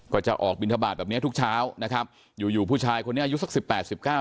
ก็จะออกบินทบาทแบบเนี้ยทุกเช้านะครับอยู่อยู่ผู้ชายคนนี้อายุสักสิบแปดสิบเก้า